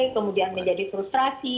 kemudian menjadi frustrasi